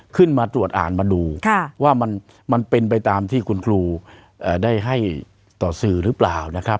ขึ้นมาตรวจอ่านมาดูว่ามันเป็นไปตามที่คุณครูได้ให้ต่อสื่อหรือเปล่านะครับ